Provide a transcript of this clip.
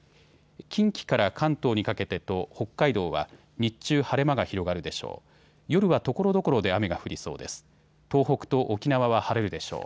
近畿から関東にかけてと北海道は日中晴れ間が広がるでしょう。